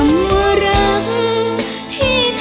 ไม่มีอะไรอีก